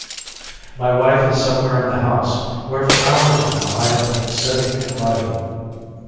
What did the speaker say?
My wife is somewhere in this house where for hours now I have been sitting and writing.